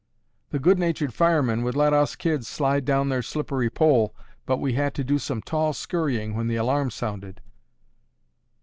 The good natured firemen would let us kids slide down their slippery pole but we had to do some tall scurrying when the alarm sounded."